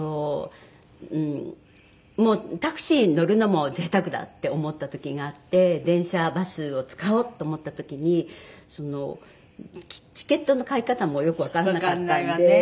もうタクシーに乗るのも贅沢だって思った時があって電車バスを使おうと思った時にチケットの買い方もよくわからなかったんで。